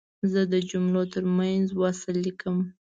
زه د جملو ترمنځ وصل لیکم.